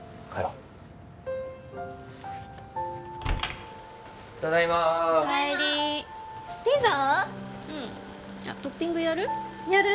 うんあっトッピングやる？